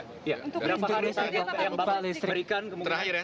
untuk berapa hari yang bapak listrik